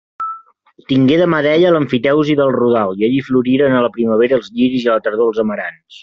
Tingué de mà d'ella l'emfiteusi del rodal i allí floriren a la primavera els lliris i a la tardor els amarants.